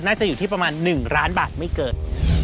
น่าจะอยู่ที่ประมาณ๑ล้านบาทไม่เกิน